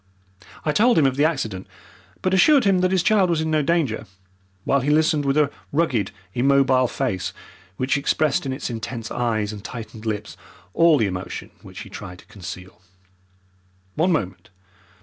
I told him of the accident, but assured him that his child was in no danger, while he listened with a rugged, immobile face, which expressed in its intense eyes and tightened lips all the emotion which he tried to conceal. "One moment!